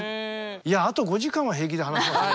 いやあと５時間は平気で話せますね。